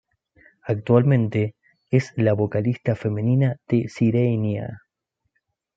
Actualmente, es la vocalista femenina de Sirenia.